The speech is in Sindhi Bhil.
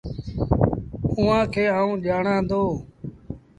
اُئآݩٚ کي آئوٚنٚ ڄآڻآنٚ دو۔